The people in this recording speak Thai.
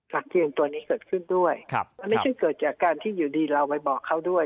เตียงตัวนี้เกิดขึ้นด้วยมันไม่ใช่เกิดจากการที่อยู่ดีเราไปบอกเขาด้วย